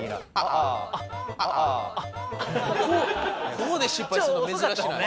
ここで失敗するの珍しない？